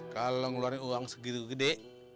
kalau ngeluarin uang segitu gede